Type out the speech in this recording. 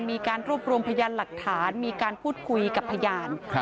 มีการรวบรวมพยานหลักฐานมีการพูดคุยกับพยาน